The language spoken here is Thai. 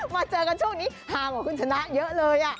มาเจอกันช่วงนี้ห่างกว่าคุณชนะเยอะเลย